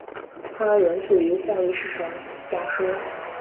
它源自于效率市场假说。